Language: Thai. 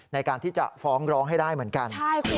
ในการที่จะฟ้องร้องให้ได้เหมือนกัน